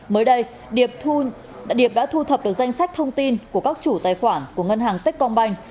mới đây điệp đã thu thập được danh sách thông tin của các chủ tài khoản của ngân hàng tết công banh